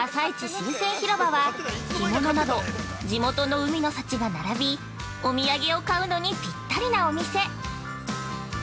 新鮮広場は干物など地元の海の幸が並びお土産を買うのにぴったりなお店。